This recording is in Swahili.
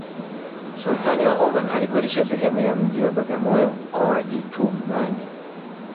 sultani wa oman alikodisha sehemu ya mji wa bagamoyo kwa wajetumani